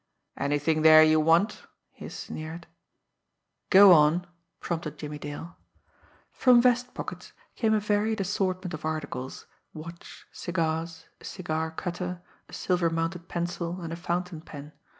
"Anything there you want?" he sneered. "Go on!" prompted Jimmie Dale. From vest pockets came a varied assortment of articles watch, cigars, a cigar cutter, a silver mounted pencil, and a fountain pen.